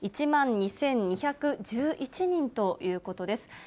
１万２２１１人ということです。